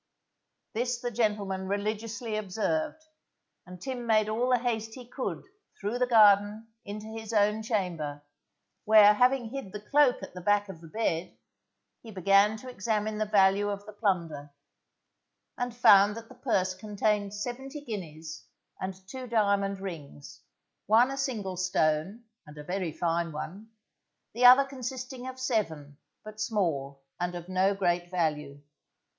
This the gentleman religiously observed, and Tim made all the haste he could through the garden into his own chamber, where having hid the cloak at the back of the bed, he began to examine the value of the plunder, and found that the purse contained seventy guineas and two diamond rings, one a single stone and a very fine one, the other consisting of seven, but small and of no great value.